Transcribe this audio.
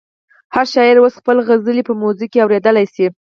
هر شاعر اوس خپل غزل په میوزیک کې اورېدلی شي.